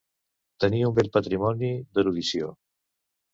Tenir un bell patrimoni d'erudició.